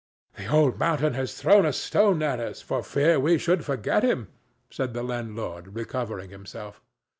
"The old mountain has thrown a stone at us for fear we should forget him," said the landlord, recovering himself.